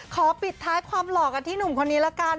ปิดท้ายความหล่อกันที่หนุ่มคนนี้ละกัน